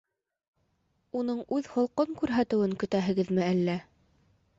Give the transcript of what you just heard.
Уның үҙ холҡон күрһәтеүен көтәһегеҙме әллә?